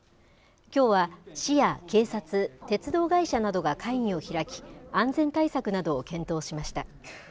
きょうは、市や警察、鉄道会社などが会議を開き、安全対策などを検討しました。